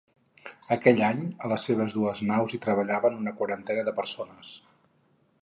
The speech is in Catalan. Aquell any, a les seves dues naus hi treballaven una quarantena de persones.